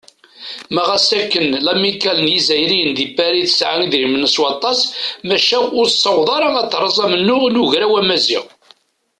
Ma ɣas akken lamikkal n yizzayriyen di Pari tesɛa idrimen s waṭas, maca ur tessaweḍ ara ad teṛṛez amennuɣ n Ugraw Amaziɣ.